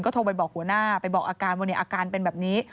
โทรไปบอกหัวหน้าไปบอกอาการว่าอาการเป็นแบบนี้